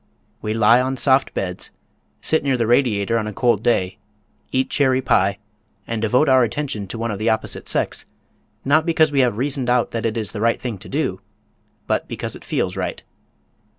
We lie on soft beds, sit near the radiator on a cold day, eat cherry pie, and devote our attention to one of the opposite sex, not because we have reasoned out that it is the right thing to do, but because it feels right.